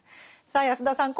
さあ安田さん